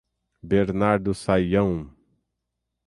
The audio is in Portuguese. Bernardo Sayão